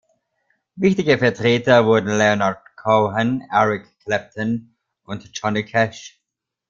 Wichtige Vertreter wurden Leonard Cohen, Eric Clapton und Johnny Cash.